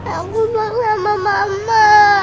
aku mau sama mama